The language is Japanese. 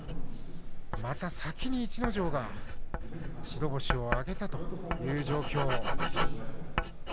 また、先に逸ノ城が白星を挙げたという状況。